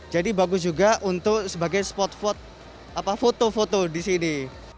jadi bagus juga untuk sebagai spot foto di sini